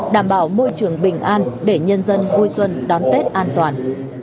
đảm bảo môi trường bình an để nhân dân vui xuân đón tết an toàn